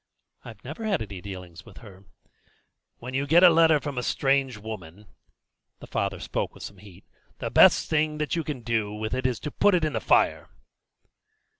"I never had any dealings with her." "When you get a letter from a strange woman" the father spoke with some heat "the best thing that you can do with it is to put it in the fire."